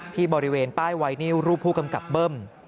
ที่บริเวณป้ายไวนิวรูปผู้กำกับเบิ้ม